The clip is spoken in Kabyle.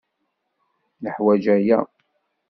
Neḥwaj aya.